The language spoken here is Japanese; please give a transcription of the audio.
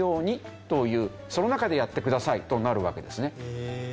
その中でやってくださいとなるわけですね。